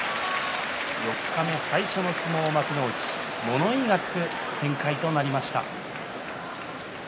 四日目、最初の一番、幕内物言いがつく展開となりました。